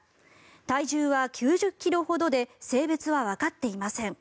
体重は９０ｋｇほどで性別はわかっていません。